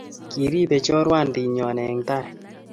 Kiripe choruandit nyoo eng taii